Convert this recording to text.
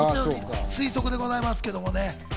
推測でございますけど。